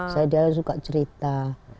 saya dia suka cerita